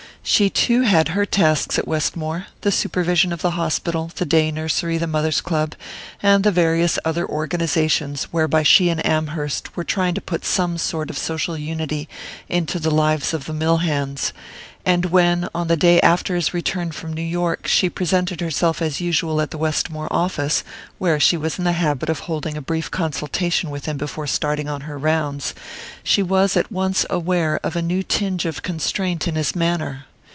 She too had her tasks at Westmore: the supervision of the hospital, the day nursery, the mothers' club, and the various other organizations whereby she and Amherst were trying to put some sort of social unity into the lives of the mill hands; and when, on the day after his return from New York, she presented herself, as usual, at the Westmore office, where she was in the habit of holding a brief consultation with him before starting on her rounds, she was at once aware of a new tinge of constraint in his manner.